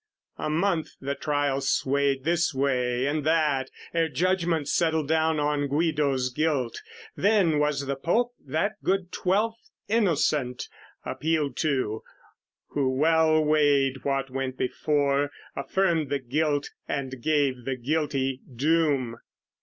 A month the trial swayed this way and that Ere judgment settled down on Guido's guilt; Then was the Pope, that good Twelfth Innocent, Appealed to: who well weighed what went before, Affirmed the guilt and gave the guilty doom.